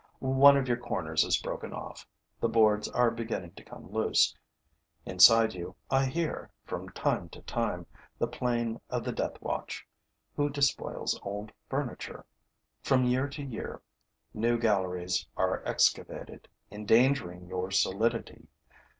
One of your corners is broken off; the boards are beginning to come loose. Inside you, I hear, from time to time, the plane of the death watch, who despoils old furniture. From year to year, new galleries are excavated, endangering your solidity.